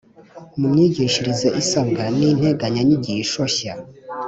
mu myigishirize isabwa n’integanya nyigisho nshya